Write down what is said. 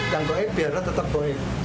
dan goib biarlah tetap goib